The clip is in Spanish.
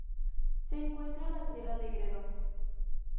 Se encuentra en la sierra de Gredos.